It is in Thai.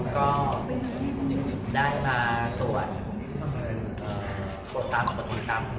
ก็ได้มาตรวจคนตามคนตามคนตาม